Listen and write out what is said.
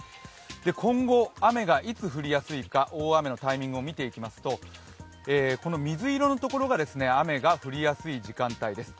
今後、雨がいつ降りやすいか、大雨のタイミングを見ていきますとこの水色のところが雨が降りやすい時間帯です。